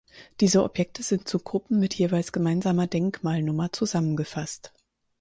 Diese Objekte sind zu Gruppen mit jeweils gemeinsamer Denkmalnummer zusammengefasst.